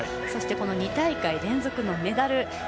そして、２大会連続のメダル。